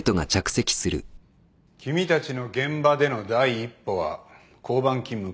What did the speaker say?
君たちの現場での第一歩は交番勤務から始まる。